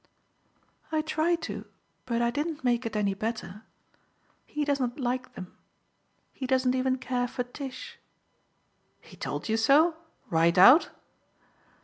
"I tried to, but I didn't make it any better. He doesn't like them. He doesn't even care for Tish." "He told you so right out?"